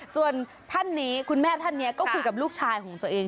ส่วนท่านนี้คุณแม่ท่านนี้ก็คุยกับลูกชายของตัวเอง